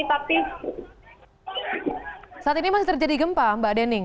tapi saat ini masih terjadi gempa mbak dening